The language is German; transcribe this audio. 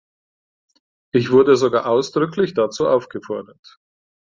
Ich wurde sogar ausdrücklich dazu aufgefordert.